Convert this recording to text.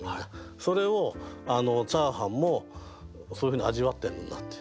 それをチャーハンもそういうふうに味わってるんだっていう。